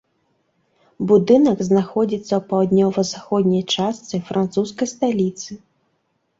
Будынак знаходзіцца ў паўднёва-заходняй частцы французскай сталіцы.